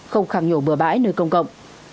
không khẳng nhổ bừa bãi nơi công cộng